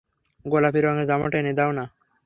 গোলাপি রঙের জামাটা এনে দাও না?